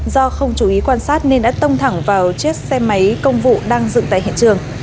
do không chú ý quan sát nên đã tông thẳng vào chiếc xe máy công vụ đang dựng tại hiện trường